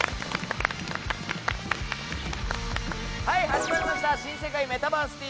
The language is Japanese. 始まりました「新世界メタバースＴＶ！！」。